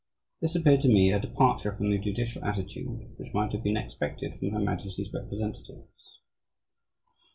This appeared to me a departure from the judicial attitude which might have been expected from Her Majesty's representatives."